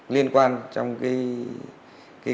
liên quan trong cái